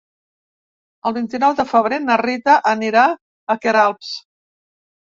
El vint-i-nou de febrer na Rita anirà a Queralbs.